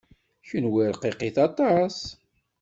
Kenwi rqiqit aṭas.